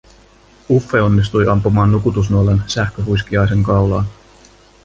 Uffe onnistui ampumaan nukutusnuolen sähköhuiskiaisen kaulaan.